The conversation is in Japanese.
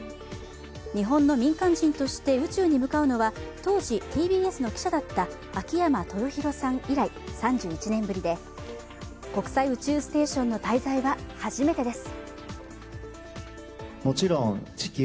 日本の民間人として宇宙に向かうのは当時、ＴＢＳの記者だった秋山豊寛さん以来３１年ぶりで国際宇宙ステーションの滞在は初めてです。